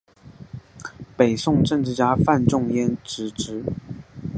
北宋政治家范仲淹子侄。